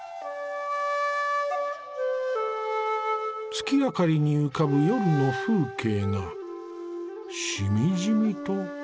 月明かりに浮かぶ夜の風景がしみじみと美しいね。